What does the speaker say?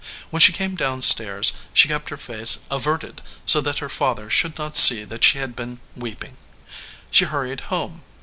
When she came down stairs she kept her face averted so that her father should not see that she had been weeping. She hurried home.